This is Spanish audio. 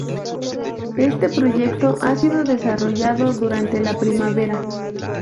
Este proyecto ha sido desarrollado durante la primavera